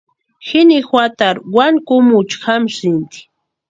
Jini juatarhu wani kumucha jamsïnti.